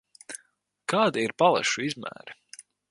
Kādi ir palešu izmēri?